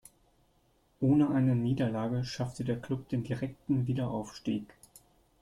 Ohne eine Niederlage schaffte der Klub den direkten Wiederaufstieg.